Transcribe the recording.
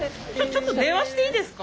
ちょっと電話していいですか？